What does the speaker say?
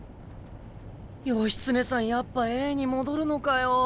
義経さんやっぱＡに戻るのかよ。